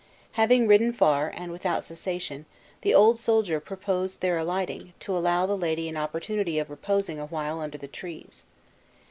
Having ridden far, and without cessation, the old soldier proposed their alighting, to allow the lady an opportunity of reposing awhile under the trees.